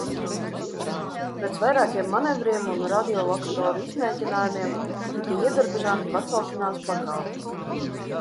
Pēc vairākiem manevriem un radiolokatora izmēģinājumiem tika iedarbināta pacelšanās pakāpe.